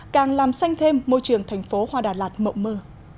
càng làm xanh thêm môi trường thành phố hoa đà lạt mộng mơ